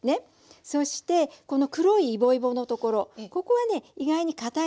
そしてこの黒いイボイボのところここはね意外にかたいんです。